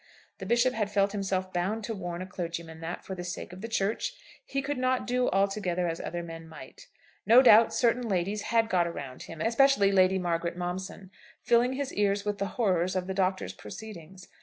The Bishop had felt himself bound to warn a clergyman that, for the sake of the Church, he could not do altogether as other men might. No doubt certain ladies had got around him, especially Lady Margaret Momson, filling his ears with the horrors of the Doctor's proceedings.